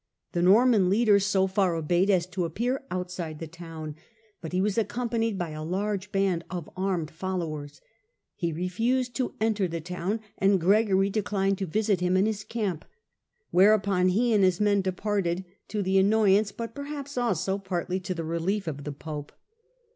The Norman leader so far obeyed as to appear outside the town, but he was accompanied by a large band of armed followers ; he refused to enter the town, and Gregory declined to visit him in his camp, whereupon he and his men departed, to the annoyance, but perhaps also partly to the relief, of the pope.